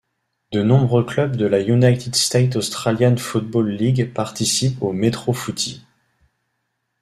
De nombreux clubs de la United States Australian Football League participe au Metro Footy.